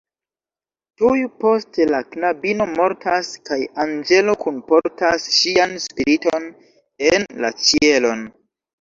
Tuj poste la knabino mortas kaj anĝelo kunportas ŝian spiriton en la ĉielon.